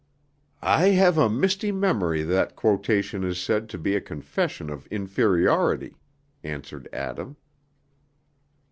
"I have a misty memory that quotation is said to be a confession of inferiority," answered Adam.